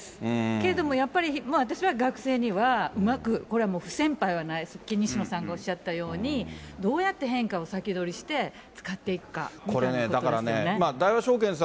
けれどもやっぱり、私は学生には、うまくこれは不戦敗はない、西野さんがおっしゃったように、どうやって変化を先取りして使っていくかみたいなことですよね。